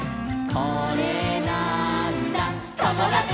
「これなーんだ『ともだち！』」